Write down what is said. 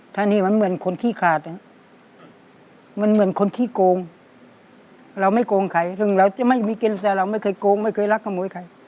จะไม่มีเกณฑ์แสเราไม่เคยโกงไม่เคยรักขโมยใคร